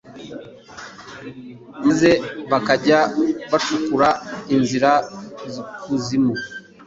maze bakajya bacukura inzira z'ikuzimu